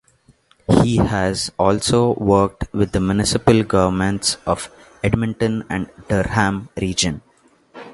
He has also worked with the municipal governments of Edmonton and Durham Region.